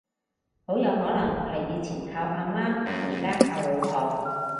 好有可能係以前靠阿媽而家靠老婆